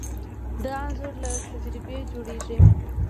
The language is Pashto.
دا انځور له تجربې جوړېږي.